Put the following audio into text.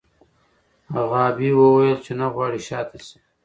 غابي وویل چې نه غواړي شا ته شي.